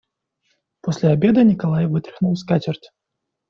После обеда Николай вытряхнул скатерть.